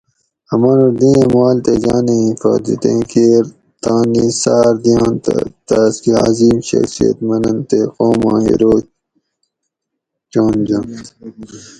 اۤ مانُوڄ دیئیں مال تے جانیں حفاطتیں کیر تانی ساۤر دیئنت تہۤ تاۤس کہ عظیم شخصیت مننت تے قوماں ہیرو چانجنت